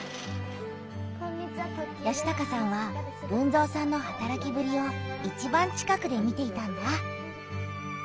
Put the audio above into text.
嘉孝さんは豊造さんのはたらきぶりをいちばん近くで見ていたんだ。